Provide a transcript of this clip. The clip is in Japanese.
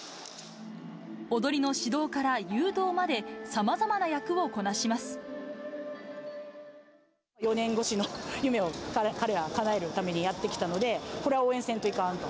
踊りの指導から誘導まで、さまざ４年越しの夢を彼らはかなえるためにやって来たので、これは応援せんといかんと。